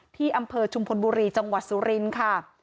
ที่อำเภอชุมพลบุรีจังหวัดสุรินทร์ค่ะ